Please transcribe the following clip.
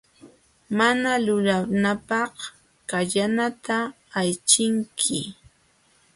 Mana lupananpaq kallanata aychinki.